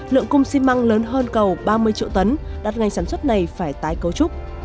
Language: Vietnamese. lượng cung xi măng lớn hơn cầu ba mươi triệu tấn đặt ngành sản xuất này phải tái cấu trúc